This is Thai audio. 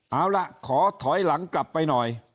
เอาล่ะขอถอยหลังกลับไปหน่อย